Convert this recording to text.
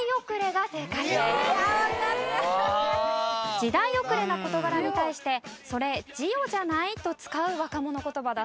時代遅れな事柄に対して「それじおじゃない？」と使う若者言葉だそうです。